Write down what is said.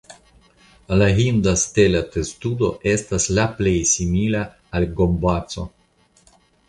La hinda stela testudo estas la plej simila al gomboco.